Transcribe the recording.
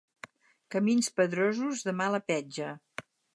Camins pedrosos, de mala petja.